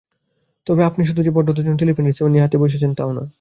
আর আপনি শুধু যে ভদ্রতার জন্যে টেলিফোন রিসিভার হাতে নিয়ে বসে আছেন তাও না।